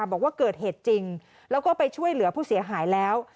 บอกว่าเกิดเหตุจริงแล้วก็ไปช่วยเหลือผู้เสียหายแล้ว